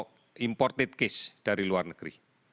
bukan lagi pada kasus imported case dari luar negeri